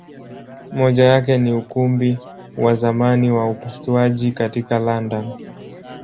Moja yake ni Ukumbi wa zamani wa upasuaji katika London.